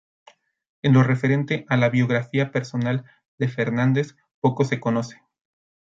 En lo referente a la biografía personal de Fernández, poco se conoce.